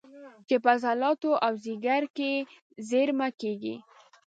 چې په عضلاتو او ځیګر کې زېرمه کېږي